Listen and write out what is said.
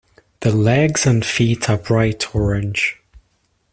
The legs and feet are bright orange.